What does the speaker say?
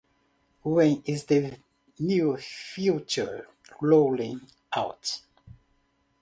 When is the new feature rolling out?